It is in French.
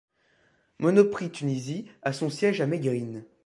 Monoprix Tunisie a son siège à Mégrine.